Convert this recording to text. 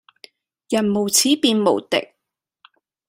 人無恥便無敵